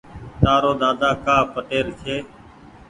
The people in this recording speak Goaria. تآرو ۮاۮا ڪآ پٽيل ڇي ۔